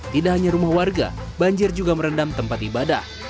tidak hanya rumah warga banjir juga merendam tempat ibadah